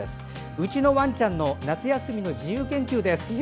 うちのワンちゃんの夏休みの自由研究です。